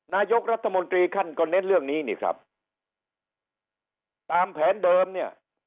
นายกรัฐมนตรีท่านก็เน้นเรื่องนี้นี่ครับตามแผนเดิมเนี่ย